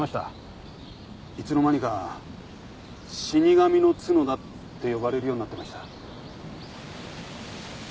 いつの間にか「死に神の角田」って呼ばれるようになってました。